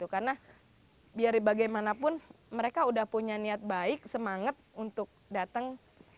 karena biar bagaimanapun mereka sudah punya niat baik semangat untuk datang